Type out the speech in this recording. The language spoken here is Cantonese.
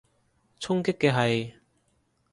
衝擊嘅係？